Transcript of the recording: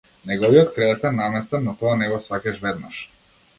Неговиот кревет е наместен, но тоа не го сфаќаш веднаш.